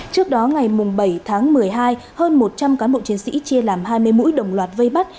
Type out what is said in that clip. trước đó ngày bảy tháng một mươi hai hơn một trăm linh cán bộ chiến sĩ chia làm hai mươi mũi đồng loạt vây bắt